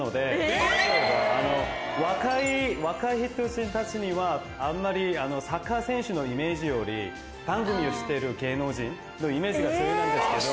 若い人たちにはあんまりサッカー選手のイメージより番組をしてる芸能人のイメージが強いなんですけど。